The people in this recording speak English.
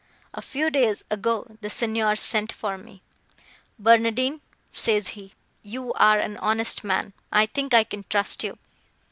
A few days ago, the Signor sent for me. 'Barnardine,' says he, 'you are—an honest man, I think I can trust you.